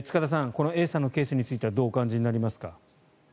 このＡさんのケースについてはどうお感じになりますか？